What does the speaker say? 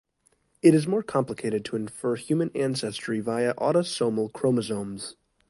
It is more complicated to infer human ancestry via autosomal chromosomes.